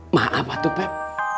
maaf atuk pep